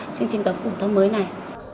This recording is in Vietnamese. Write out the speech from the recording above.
chương trình giáo phụ thông mới này